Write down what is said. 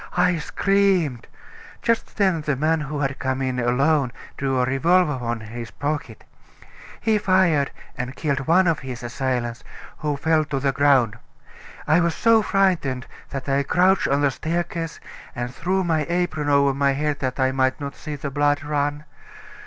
I screamed. Just then the man who had come in alone drew a revolver from his pocket; he fired and killed one of his assailants, who fell to the ground. I was so frightened that I crouched on the staircase and threw my apron over my head that I might not see the blood run.